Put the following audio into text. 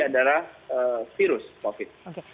adalah virus covid